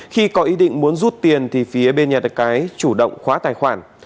khi có ý định muốn rút tiền thì phía bên nhà đặt cái chủ động khóa tài khoản